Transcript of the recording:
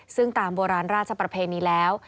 ซึ่งตามโบราณราชประเพณีแล้ว